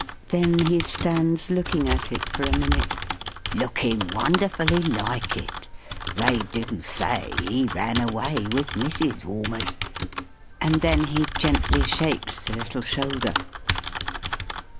Then he stands looking at it for a minute, looking wonderfully like it (they do say he ran away with Mrs. Walmers); and then he gently shakes the little shoulder.